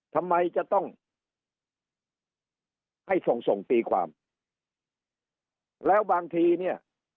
ทำไมจะต้องให้ส่งส่งตีความแล้วบางทีเนี่ย